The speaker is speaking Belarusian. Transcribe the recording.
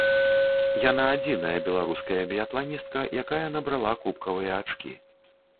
Яна адзіная беларуская біятланістка, якая набрала кубкавыя ачкі.